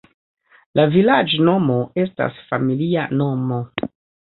La vilaĝnomo estas familia nomo.